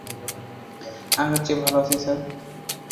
আগের চেয়ে ভালো আছি, স্যার।